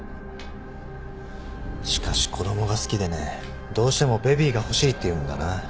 しかし子供が好きでねどうしてもベビーが欲しいって言うんだな。